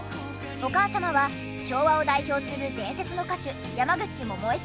お母様は昭和を代表する伝説の歌手山口百恵さん。